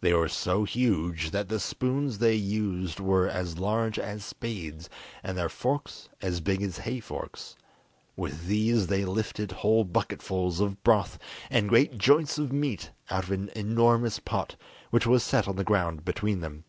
They were so huge that the spoons they used were as large as spades, and their forks as big as hay forks: with these they lifted whole bucketfuls of broth and great joints of meat out of an enormous pot which was set on the ground between them.